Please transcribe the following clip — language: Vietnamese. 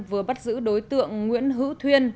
vừa bắt giữ đối tượng nguyễn hữu thuyên